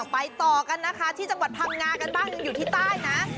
ไปต่อกันนะคะที่จังหวัดพังงากันบ้างยังอยู่ที่ใต้นะ